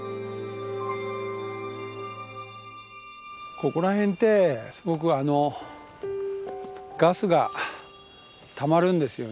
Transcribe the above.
ここら辺ってすごくガスがたまるんですよね。